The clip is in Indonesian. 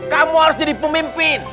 kamu harus jadi pemimpin